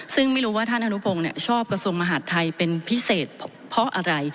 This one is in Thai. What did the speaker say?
ซึ่งไม่รู้ว่าท่านอนุพงศ์ชอบกระทรวงมหาดไทยเป็นพิเศษเพราะอะไร